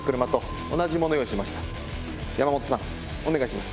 山本さんお願いします。